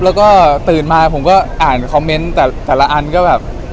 แล้วก็ตื่นมาผมก็อ่านคอมเมนต์แต่ละอันก็แบบ